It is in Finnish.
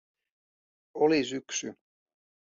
Oli syksy.